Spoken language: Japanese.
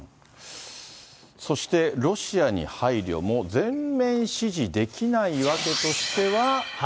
そして、ロシアに配慮も全面支持できない訳としては。